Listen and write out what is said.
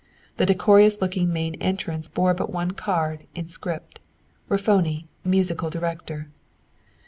The decorous looking main entrance bore but one card, in script, "Raffoni, Musical Director."